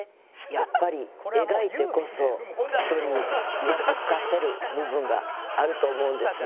やっぱり描いてこそ人にうなずかせる部分があると思うんですね。